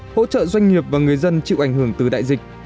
hỗ trợ doanh nghiệp và người dân chịu ảnh hưởng từ đại dịch